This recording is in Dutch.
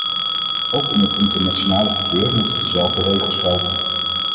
Ook in het internationale verkeer moeten dezelfde regels gelden.